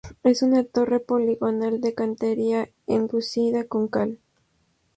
Es una torre poligonal de cantería, enlucida con cal.